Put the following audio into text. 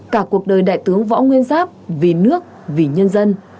cả cuộc đời đại tướng võ nguyên giáp vì nước vì nhân dân